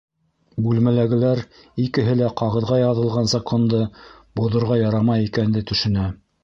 Бүлмәләгеләр икеһе лә ҡағыҙға яҙылған законды боҙорға ярамай икәнде төшөнә.